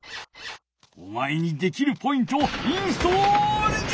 おまえにできるポイントをインストールじゃ！